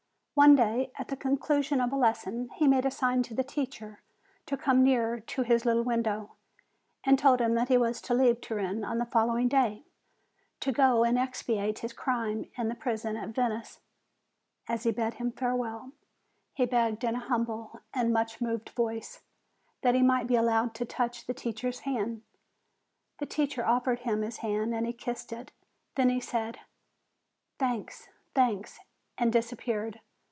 One day, at the conclusion of the lesson, he made a sign to the teacher to come near to his little window, and told him that he was to leave Turin on the following day, to go and expiate his crime in the prison at Venice. As he bade him farewell, he begged THE PRISONER 129 in a humble and much moved voice, that he might be allowed to touch the teacher's hand. The teacher offered him his hand, and he kissed it ; then he said : "Thanks! thanks!" and disappeared.